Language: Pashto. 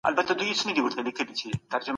د اسلام مبارک دين موږ ته د نېکمرغۍ لاره ښوولې ده.